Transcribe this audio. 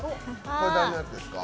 誰のやつですか？